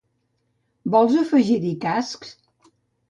Vols afegir-hi cascs?